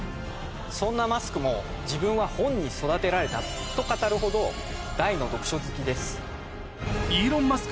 そんなマスクも「自分は本に育てられた」と語るほど大の読書好きです。